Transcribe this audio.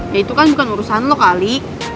ya itu kan bukan urusan lo kali